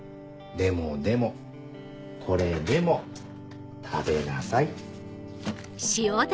でもでもこれでも食べなさい。